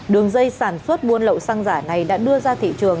đường dây sản xuất buôn lậu xăng giả này đã đưa ra thị trường